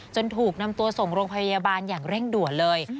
ถูกนำตัวส่งโรงพยาบาลอย่างเร่งด่วนเลย